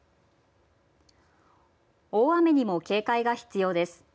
大雨にも警戒が必要です。